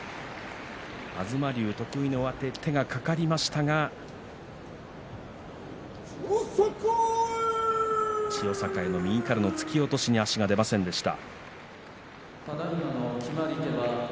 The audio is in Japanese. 東龍、得意の上手手が掛かりましたが千代栄の右からの突き落としに足が出ませんでした。